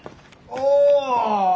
ああ！